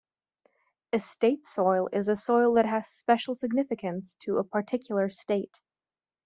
A state soil is a soil that has special significance to a particular state.